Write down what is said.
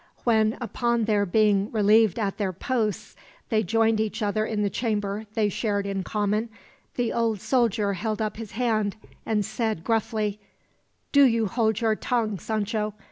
When, upon their being relieved at their posts, they joined each other in the chamber they shared in common, the old soldier held up his hand and said gruffly: "Do you hold your tongue, Sancho.